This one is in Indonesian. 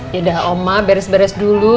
ya udah oma beres beres dulu